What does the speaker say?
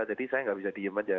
jadi saya nggak bisa diem aja